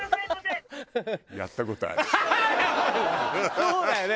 そうだよね。